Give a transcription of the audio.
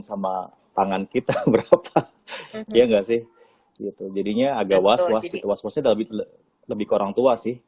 sama tangan kita berapa ya enggak sih gitu jadinya agak was was gitu was wasnya lebih lebih ke orang tua sih